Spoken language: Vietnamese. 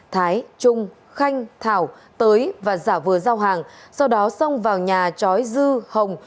thái trung khanh thảo tới và giả vừa giao hàng sau đó xong vào nhà trói dư hồng